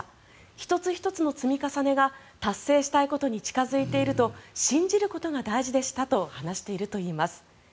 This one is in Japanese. １つ１つの積み重ねが達成したいことに近付いていると信じることが大事でしたと話しているといいます。